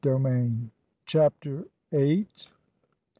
Captain." CHAPTER EIGHT.